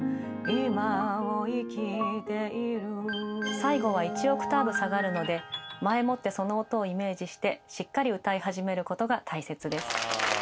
最後は１オクターブ下がるので前もってその音をイメージしてしっかり歌い始めることが大切です。